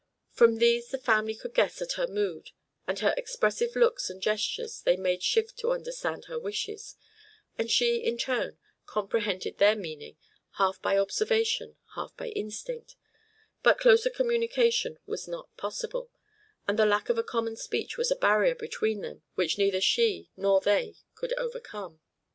From these the family could guess at her mood, from her expressive looks and gestures they made shift to understand her wishes, and she, in turn, comprehended their meaning half by observation, half by instinct; but closer communication was not possible, and the lack of a common speech was a barrier between them which neither she nor they could overcome.